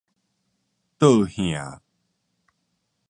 倒向